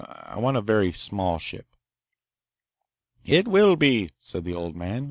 I'll want a very small ship!" "It will be," said the old man.